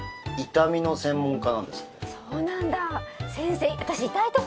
痛みの専門家なんですって。